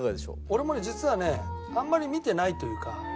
俺もね実はねあんまり見てないというか。